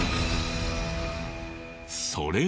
それが。